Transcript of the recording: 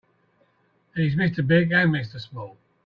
He's Mr. Big and Mr. Small.